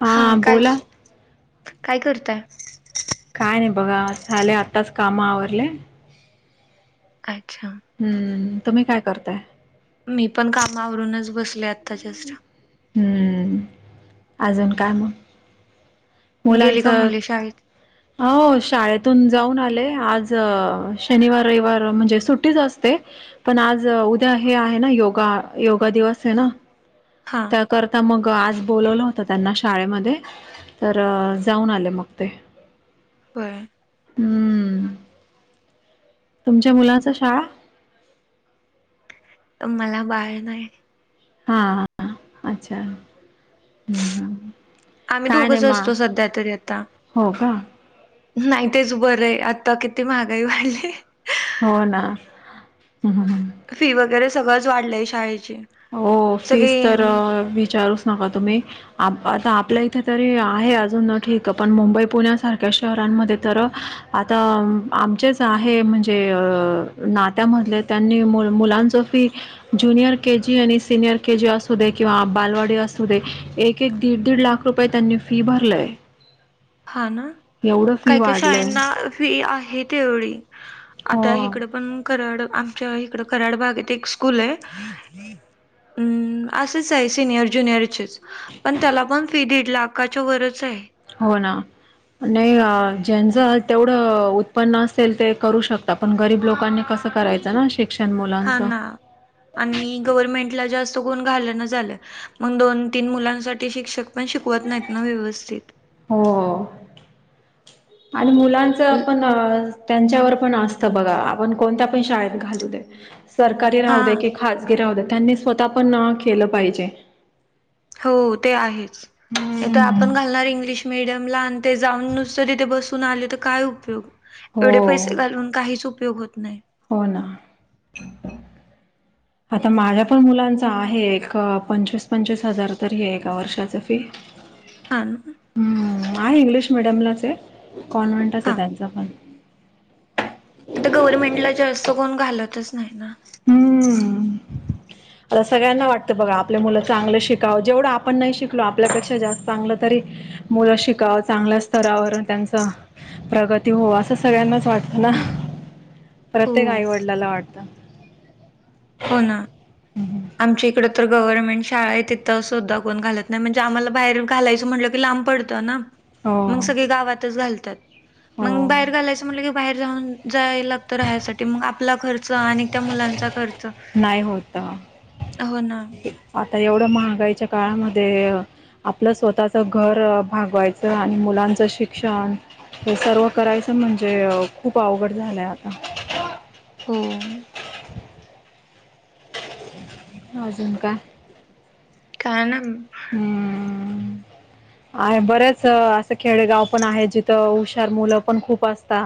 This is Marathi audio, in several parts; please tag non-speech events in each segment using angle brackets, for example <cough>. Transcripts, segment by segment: हा बोला. काय करताय? काय नाही बघा झाले आत्ताच काम आवरले. अच्छा. हम्म तुम्ही काय करताय? मी पण कामावरूनच बसल आत्ता जस्ट. हम्म अजून काम गेली मुलांच का मुले शाळेत हो शाळेतून जाऊन आले. आज शनिवार, रविवार म्हणजे सुट्टीच असते पण आज उद्या हे आहे ना योगा योगा दिवस आहे ना. हा त्या करता मग. आज बोलवलं होत त्यांना शाळेमध्ये तर जाऊन आले मग ते. होय. हम्म. तुमच्या मुलाचा शाळा मला बाळ नाही. हा, अच्छा हम् ह. आम्ही दोघंच असतो सध्या तरी आता. हो का नाही तेच बरं आहे आता किती महागाई वाढली. हो ना. ह. फी वगैरे सगळंच वाढलंय शाळेची. हो फीस सगळी तर विचारूच नका तुम्ही. आता आपल्या इथे तरी आहे अजून ठीक पण मुंबई पुण्यासारख्या शहरांमध्ये तर आता आमचेच आहे म्हणजे नात्यामधले त्यांनी मु मुलांच फी ज्युनियर के जी आणि सिनियर के जी असू दे किंवा बालवाडी असू दे एक एक दीड दीड लाख रुपये त्यांनी फी भरलाय. हा ना. काही काही वाढलंय शाळना फी आहे तेवढी आता हो ईकड पण कराड इकडं कराड भागात एक स्कूल <inaudible> असेच आहे सिनियर ज्युनियरचेच पण त्याला पण फी दीड लाखाच्या वरच आहे. हो ना. नाही ज्यांच तेवढं उत्पन्न असेल ते करू शकता पण गरीब लोकांनी कस करायचं ना. शिक्षण हा मुलांचं. ना आणि गव्हर्मेंटला जास्त चुकून घालन झालं मग दोन तीन मुलांसाठी शिक्षक पण शिकवत नाहीत ना व्यवस्थित हो. आणि मुलांच आपण त्यांच्यावर पण असत बघा आपण कोणत्या पण शाळेत घालू दे, सरकारी हा राहू दे की खाजगी राहू दे. त्यांनी स्वतः पण ना केलं पाहिजे. हो ते आहेच हम्म. आपण घालणार इंग्लिश मीडियम ला ते जाऊन नुसत तिथे बसून आले तर काय उपयोग हो एवढे पैसे घालून काहीच उपयोग होत नाही. हो ना. आता माझ्या पण मुलांचा आहे एक पंचवीस पंचवीस हजार तरी आहे एका वर्षाच फी. हा ना. हा इंग्लिश मिडीयमलाच आहे कॉन्व्हेंटच हा. आहे त्यांचां पण आता गव्हर्नमेंटला जास्त कोण घालतच नाही ना. हम्म आता सगळ्यांना वाटतं बघा आपले मुलं चांगलं शिकावं, जेवढं आपण नाही शिकलो आपल्यापेक्षा जास्त चांगलं तरी मुलं शिकावं चांगल्या स्तरावर त्यांचं प्रगती होवो असं सगळ्यांनाच वाटत ना. हो प्रत्येक आईवडिलाला वाटतं. हो ना, हम्म. आमच्या इकडं तर गव्हर्में शाळा आहे तिथं सुद्धा कोण घालत नाही, म्हणजे आम्हाला बाहेर घालायचं म्हटलं की लांब पडतं ना. मग हो सगळे गावातच घालतात, मग हो बाहेर घालायचं म्हटलं की बाहेर जाऊन जाय लागत राह्यसाठी मग आपला खर्च आणि त्या मुलांचा खर्च नाही होत हो ना <inaudible> आता एवढं महागाईच्या काळामध्ये अ आपलं स्वतःच घर भागवायचं आणि मुलांचं शिक्षण हे सर्व करायचं म्हणजे खूप अवघड झालंय आता. हो अजून काय? काय नाय. हम्म आहे बरेच असं खेडेगाव पण आहे जिथं हुशार मुलं पण खूप असता.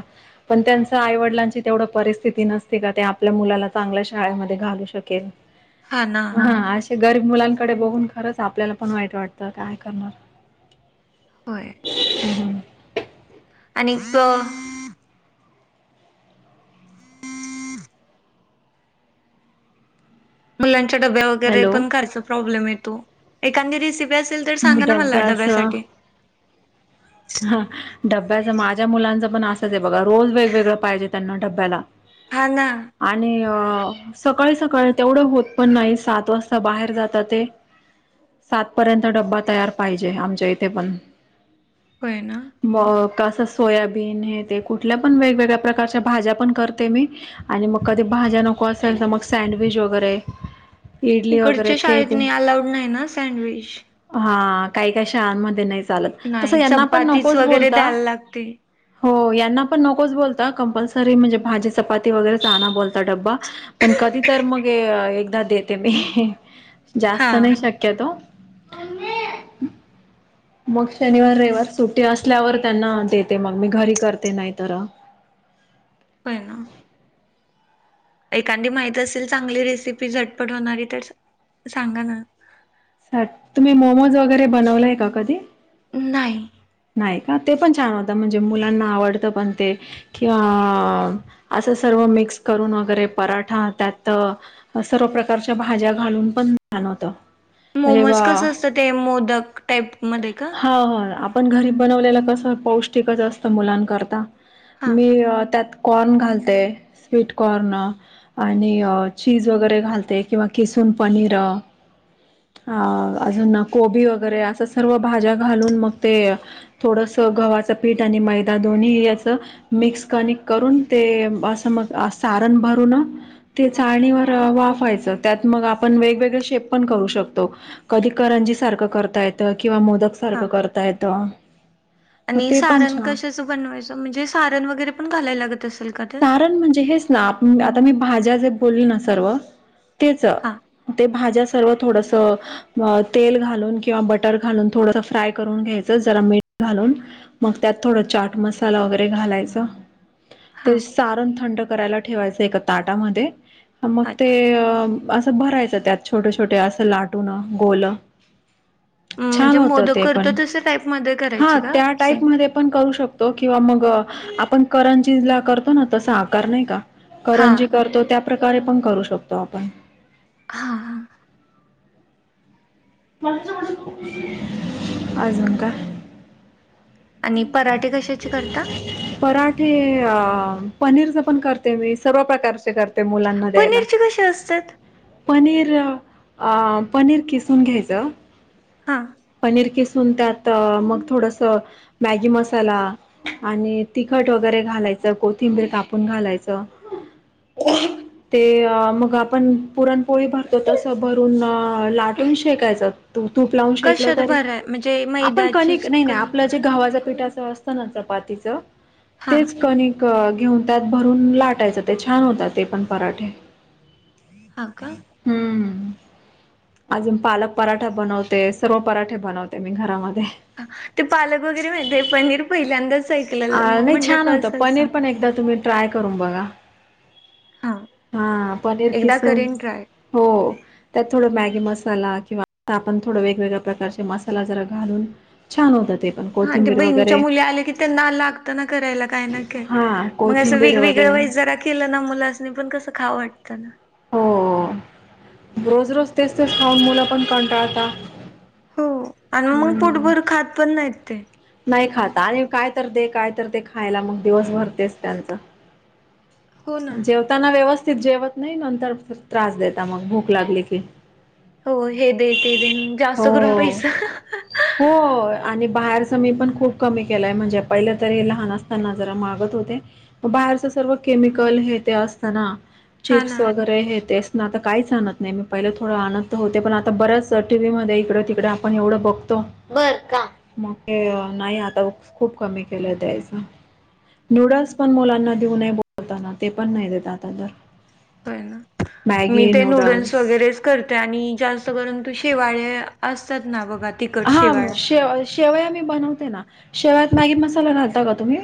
पण त्यांचं आईवडिलांची तेवढं परिस्थिती नसते का ते आपल्या मुलाला चांगल्या शाळेमध्ये घालू शकेल. हा आशे गरीब मुलांकडे बघून खरंच आपल्याला पण वाईट वाटतं, काय करणार? होय हम हम आणि क मुलांचे डब्या वगैरे हॅलो. पण करायचं प्रॉब्लेम येतो एखांद्या दिवशी असेल तर सांगा ना मला डब्याचं डब्यासाठी. हा, डब्याचं माझ्या मुलांचं पण असंच आहे बघा रोज वेगवेगळं पाहिजे त्यांना डब्याला. हा ना आणि अ सकाळी सकाळी तेवढं होत पण नाही सात वाजता बाहेर जाता ते, सातपर्यंत डब्बा तयार पाहिजे, आमच्या इथे पण. होय ना? असं सोयाबीन हे ते कुठल्या पण वेगवेगळ्या प्रकारच्या भाज्या पण करते मी, आणि मग कधी भाज्या नको असेल तर मग सँडविच वगैरे इडली वगैरे इकडच्या ते शाळेत ते, नाही अलाउड नाही ना सँडविच हा काय काय शाळांमध्ये नाही चालत, तसं नाही यांना पण चपातीच नकोच वगैरे बोलता, द्यायला लागते हो यां यांना पण नकोच बोलता, कंपल्सरी म्हणजे भाजी चपाती वगैरे आणा बोलता डबा पण कधी तर मग ए एकदा देते मी हा जास्त नाही शक्यतो, मग <inaudible> शनिवार, रविवार सुट्टी असल्यावर त्यांना देते मग मी घरी करते नाही तर <inaudible> होय ना एखादी माहित असेल चांगली रेसिपी झटपट होणारी तर, सांगा ना. सा, तुम्ही मोमोज वगैरे बनवलाय का कधी? नाही. नाय का ते पण छान होतं म्हणजे मुलांना आवडतं पण ते कि अ असं सर्व मिक्स करून वगैरे पराठा त्यात सर्व प्रकारच्या भाज्या घालून पण <inaudible> होतं. म्हणजे बा मोमोज कसं असतं ते मोदक टाईप मध्ये का? पण घरी बनवलेलं कसं पौष्टिकच असतं मुलांकरता, हां मी अ त्यात कॉर्न घालते, स्वीट कॉर्न आणि चीज वगैरे घालते किंवा किसू पनीर अ अ अजून ना कोबी वगैरे असं सर्व भाज्या घालून मग ते थोडसं गव्हाचं पीठ आणि मैदा दोन्ही ही असं मिक्स कणीक करून ते ते असं मग आ सारंण भरून ते चाळणीवर वाफायचं त्यातमग आपण वेगवेगळे शेप पण करू शकतो कधी करंजी सारखं करता येतं. किंवा मोदक सारखं हां. करता येत. आणि सारण कशाच बनवायचं म्हणजे सारण वगैरे पण घालाय लागत असेल का त्यात? सारण म्हणजे हेच ना आता मी भाज्या जे बोलले ना सर्व. तेच हां ते भाज्या. सर्व थोडस तेल घालून किंवा बटर घालून थोडस फ्राय करून घ्यायचं जरा मीठ. घालून मग त्यात थोडा चाट मसाला वगैरे घालायचा. ते हां सारण थंड करायला ठेवायचं एका ताटामध्ये मग ते अच्छा अ. असं भरायचं त्यात छोटे छोटे असं लाटून गोल. छान म्हणजे होत, मोदक ते करतो पण तसं टाईपमध्ये हा करायचं का त्या सेम? टाईपमध्ये पण करू शकतो किंवा मग. आपण करंजीला करतो ना तसा आकार नाही का हां करंजी करतो त्या. प्रकारे पण करू शकतो आपण. हा. अजून काय. आणि पराठे कशाचे करता? पराठे अ. पनीरच पण करते मी सर्व प्रकारचे करते मुलांना द्यायला. पनीरचे कसे असतात? पनीर आ पनीर किसुन घ्यायच. हां पनीर किसून त्यात मग थोडस मॅगी मसाला आणि तिखट. तीखट वगैरे घालायचं कोथिंबीर कापून घालायचं. ते मग आपण पुरणपोळी भरतो तसं भरून लाटून शेकायचं. तू तूप लावून शेकल कशात तरी भराय म्हणजे आपण कनिक मैद्याचीच नाही नाही कणिक आपलं जे गव्हाचं पीठ. पिठाच असत ना चपातीच हां तेच कनिक. घेऊन त्यात भरून लाटायचं ते छान होत, ते पण पराठे. हा का. हम्म. अजून पालक पराठा बनवते सर्व पराठे बनवते मी घरामध्ये. ते पालक वगैरे माहितीय पनीर पहिल्यांदाच. अ ऐकलेलं मग नाही म्हटलं छान होतं, कसं पनीर असतं? पण एकदा तुम्ही ट्राय करून बघा. हा. हा पनीर खिसून हो त्यात थोड मॅगी मसाला. किंवा आता आपण थोडा वेगवेगळ्या प्रकारचे मसाला जरा घालून छान होतात. हा ते बहिणीच्या मुली आल्या की त्यांना. लागत करायला काय हा मग असं कोथिंबीर वेगवेगळ वगैरे वाईज जरा केलं ना मुलासनी पण कसं खाऊ वाटतं. ना. हो रोज रोज तेच तेच खाऊन मुलं पण कंटाळता. हो आणि मग हम्म पोटभर खात पण नाहीत ते. नाही खाता आणि काय तर दे काय तर दे खायला मग दिवस भर तेच त्यांचं. हो ना जेवताना व्यव जेवत नाही नंतर त्रास देता मग भूक लागली की. हो हे दे ते देन जास्त करून हो पैसा. हो आणि बाहेर ज मी पण खूप कमी केलाय म्हणजे पहिले तरी लहान असताना जरा मागत होते मग बाहेरच सर्व की मिकल हे ते असतंना हा चिप्स ना वगैरेत हे अस. आता काहीच आणत नाही मी पहिल थोंड आणत होते, पण आता बऱ्याच टीव्ही मध्ये इकडे तिकडे आपण एवढं बघतो. बरं का मग नाही आता खूप कमी केलंय द्यायच. नूडल्स पण मुलांना देऊ नये बोलतात ते पण नाही देत आता तर. होय ना मी ते नूडल्स वगैरेच करते आणि जास्त करून शा शिवाळे असतात ना बघ. हा शेव शेवया मी बनवते ना शेवयात मॅगी मसाला घालता का तुम्ही.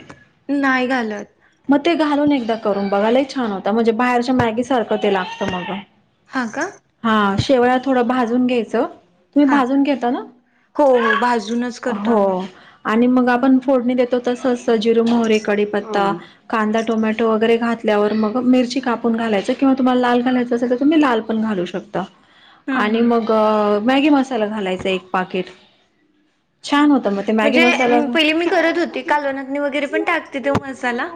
नाही घालत. मग ते घालून एकदा करून बघा लय छान होतं, म्हणजे बाहेरच्या मॅगी सारखं ते लागतं मग. हा का. हा शेवया थोडं भाजून घ्यायचं. तुम्ही हा. भाजून घेता ना! हो हो भाजूनच करतो आम्ही हो. आणि मग आपण फोडणी देतो तसचं जिर, मोहरी, कडीपत्ता.. कांदा, टोमॅटो वगैरे घातल्यावर मग मिरची कापून घालायचं किंवा तुम्हाला लाल घालायचं तर तुम्ही लालपण घालू शकता. हम्म आणि हम्म. मग मॅगी मसाला घालायचा एक पाकीट. हा म्हणजे पहिली मी करत होती, कालवनामधी वगैरे पण टाकते तो मसाला.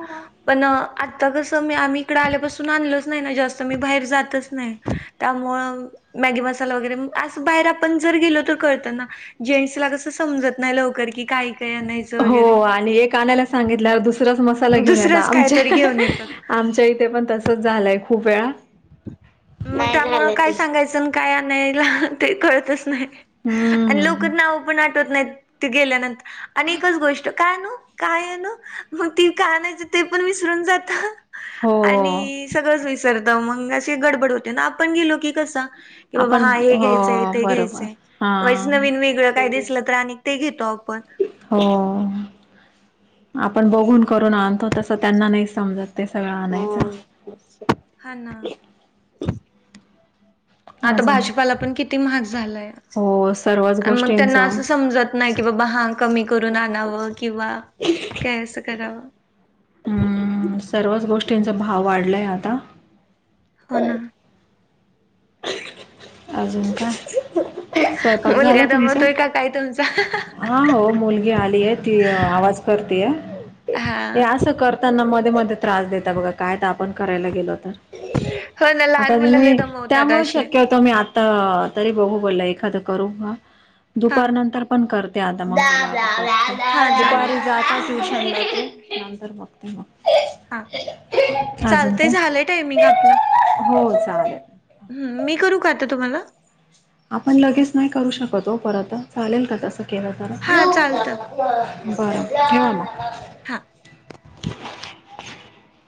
पण आता कसं मी आम्ही इकडं आल्यापासून आणलच नाही ना जास्त मी बाहेर जातचं नाही त्यामुळं हो मॅगी मसाला वगैरे असं बाहेर आपण जर गेलं तर कळत ना जेन्टस ला कसं समजत नाही लवकर की काय? काय आणायचं हो वगैरे आणि एक आणायला सांगितलं दुसरंच मग घेऊन या दा दुसरंच कायतरी आमच्या घेऊन येतात आमच्या इथे पण तसच झालंय खूप वेळा. मग नाही त्यामुळं झालं काय तस. सांगायचं आणि काय आणायला ते कळतच नाही. आणि लोक हम्म नाव पण आठवत नाहीत ते गेल्यानंतर आणि एकच गोष्ट काय आनु? काय आनु मग ती काय आणायची ते पण विसरून जात. हो आणि सगळंच विसरत मंग अशी गडबड होते ना आपण गेलो की कस.. की बाबा आपण हा हे घ्यायचंय हो ते बरोबर घ्यायचंय वाईच हा. नवीन वेगळं काही दिसलं तर ते घेतो. हो पण. हो. आपण बघून करून आणतो तसं त्यांना नाही समजत ते सगळं आणायचं. हा ना आता अजून भाजीपाला पण किती महाग झालंय हो सर्वच मग त्यांना गोष्टींचा अस समजत नाही की बाबा हा कमी करून आणावं किंवा काय असं करावं. हम्म सर्वच गोष्टींचा भाव वाढलाय आता. हो ना. अजून काय स्वयंपाक झाला मुलगा तुमचा? दमवतोय का काय तुमचा हा हो मुलगी आलीय ती आवाज करतेय. हे हा असं करताना मध्ये मध्ये त्रास देता बघ काय तर आपण करायला गेलो तर.. हो ना लहान आता मुलं लय तुम्ही दमवतात त्यामुळे असे शक्य मी आता तरी बघू बोल एखादं करू हा दुपार नंतर पण कर <inaudible> हा चालेल हा अजून चालतय काय झालंय टायमिंग आपलं हो चालेल. हम्म मी करू का आता तुम्हाला? आपण लगेच नाही करू शकत हो परत चालेल का तसं. केलं बर हा चालतं ठेवा मग. हा. रिकामा ऑडिओ